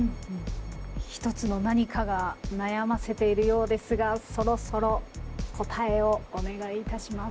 一つの何かが悩ませているようですがそろそろ答えをお願いいたします。